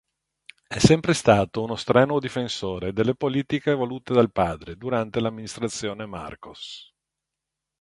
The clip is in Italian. È sempre stato uno strenuo difensore delle politiche volute dal padre durante l'amministrazione Marcos.